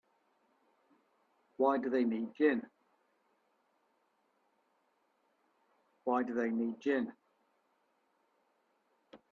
Why do they need gin?